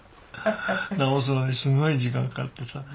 直すのにすごい時間かかってさ。